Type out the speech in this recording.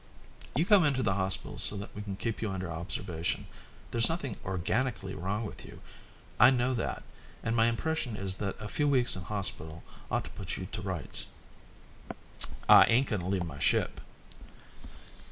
You come into the hospital so that we can keep you under observation. There's nothing organically wrong with you, I know that, and my impression is that a few weeks in hospital ought to put you to rights." "I ain't going to leave my ship."